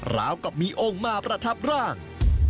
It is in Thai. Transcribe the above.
แล้วก็มีองค์มาประทับร่าง